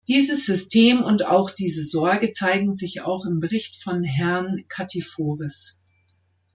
Dieses System und diese Sorge zeigen sich auch im Bericht von Herrn Katiforis.